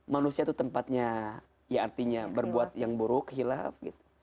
manusia itu tempatnya ya artinya berbuat yang buruk hilaf gitu